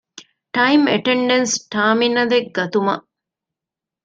ޓައިމް އެޓެންޑެންސް ޓާރމިނަލެއް ގަތުމަށް